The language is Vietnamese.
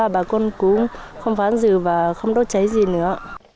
bà con cũng không phá rừng và không đốt cháy gì nữa